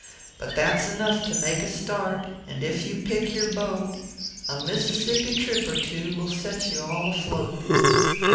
But that s enough to make a start, And, if you pick your boat, A Mississippi trip or two "Will set you all afloat.